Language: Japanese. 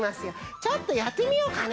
ちょっとやってみようかね？